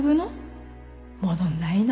戻んないの？